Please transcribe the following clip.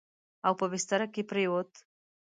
او په بستره کې پرېووت.